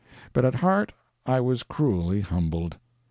But at heart I was cruelly humbled.